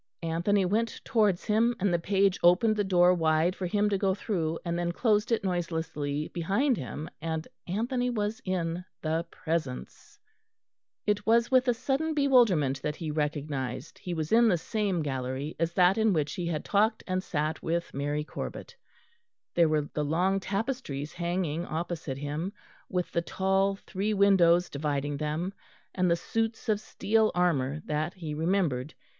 Anthony went towards him, and the page opened the door wide for him to go through, and then closed it noiselessly behind him, and Anthony was in the presence. It was with a sudden bewilderment that he recognised he was in the same gallery as that in which he had talked and sat with Mary Corbet. There were the long tapestries hanging opposite him, with the tall three windows dividing them, and the suits of steel armour that he remembered.